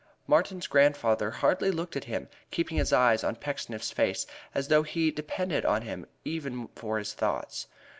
Martin's grandfather hardly looked at him, keeping his eyes on Pecksniff's face, as though he depended on him even for his thoughts.